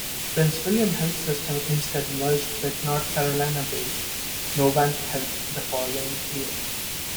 Prince William Health System instead merged with North Carolina-based Novant Health the following year.